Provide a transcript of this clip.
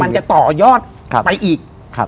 จะต่อยอดไปอีก